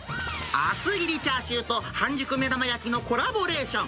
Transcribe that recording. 厚切りチャーシューと半熟目玉焼きのコラボレーション。